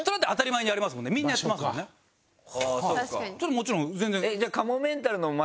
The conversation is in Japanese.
もちろん全然。